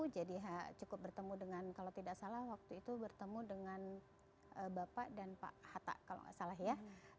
jadi cukup bertemu dengan kalau tidak salah waktu itu bertemu dengan bapak dan pak hatta kalau tidak salah ya